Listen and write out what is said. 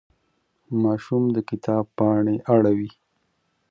ماشوم د کتاب پاڼې اړولې.